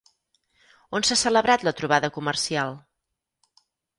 On s'ha celebrat la trobada comercial?